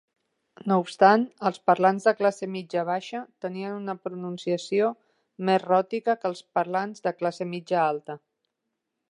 No obstant, els parlants de classe mitja baixa tenien una pronunciació més ròtica que els parlants de classe mitja alta.